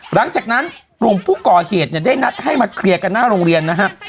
หลังจากนั้นกลุ่มผู้ก่อเหตุเนี่ยได้นัดให้มาเคลียร์กันหน้าโรงเรียนนะครับ